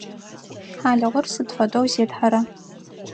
Хьалыгъур сыд фэдэу зетхьэра?